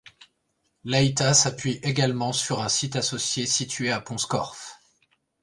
Laïta s'appuie également sur un site associé situé à Pont-Scorff.